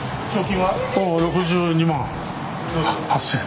６２万８０００円。